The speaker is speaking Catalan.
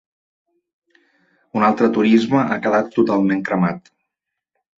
Un altre turisme ha quedat totalment cremat.